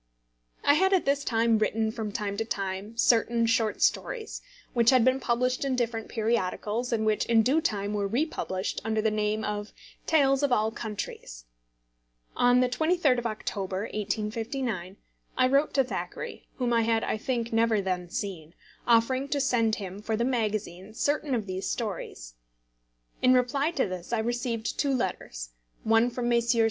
I had at this time written from time to time certain short stories, which had been published in different periodicals, and which in due time were republished under the name of Tales of All Countries. On the 23d of October, 1859, I wrote to Thackeray, whom I had, I think, never then seen, offering to send him for the magazine certain of these stories. In reply to this I received two letters, one from Messrs.